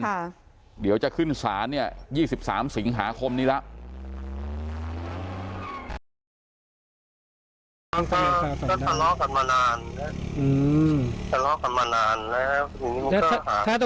เดี๋ยวจะขึ้นศาลเนี่ย๒๓สิงหาคมนี้แล้ว